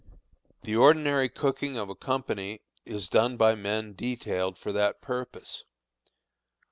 The ordinary cooking of a company is done by men detailed for that purpose.